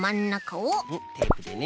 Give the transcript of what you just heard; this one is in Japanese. んっテープでね。